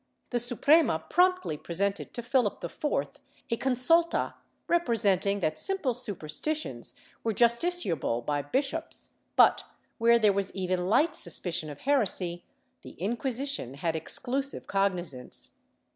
The Suprema promptly presented to Phihp IV a consulta, repre senting that simple superstitions were justiciable by bishops but, where there was even light suspicion of heresy, the Inquisition had exclusive cognizance.